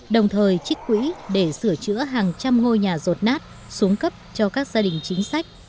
đồng thời trích quỹ để sửa chữa hàng trăm ngôi nhà rột nát xuống cấp cho các gia đình chính sách